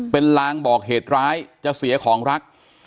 เป็นลางบอกเหตุร้ายจะเสียของรัก